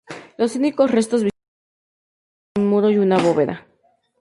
Los únicos restos visibles del castillo son un muro y una bóveda.